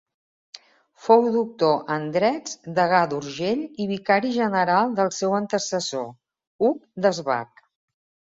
Fou doctor en drets, degà d’Urgell i vicari general del seu antecessor, Hug Desbac.